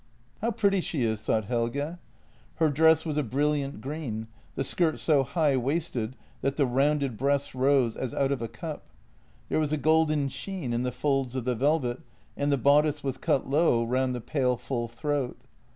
How pretty she is, thought Helge. Her dress was a brilliant green, the skirt so high waisted that the rounded breasts rose as out of a cup. There was a golden sheen in the folds of the velvet, and the bodice was cut low round the pale, full throat.